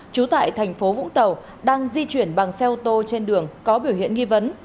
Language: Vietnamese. trú tại thành phố vũng tàu đang di chuyển bằng xe ô tô trên đường có biểu hiện nghi vấn